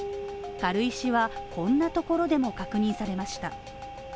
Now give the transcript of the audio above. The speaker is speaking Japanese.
軽石はこんなところでも確認されました。